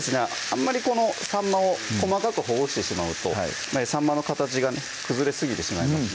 あんまりさんまを細かくほぐしてしまうとさんまの形がね崩れすぎてしまいます